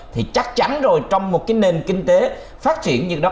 thì chắc chắn rồi trong một cái nền kinh tế phát triển như đó